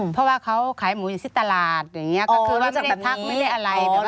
เพราะว่าเขาขายหมูอยู่ที่ตลาดอย่างนี้ก็คือว่าไม่ได้พักไม่ได้อะไร